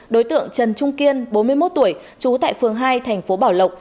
đối tượng trần trung kiên bốn mươi một tuổi trú tại phường hai thành phố bảo lộc